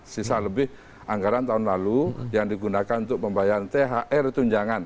sisa lebih anggaran tahun lalu yang digunakan untuk pembayaran thr tunjangan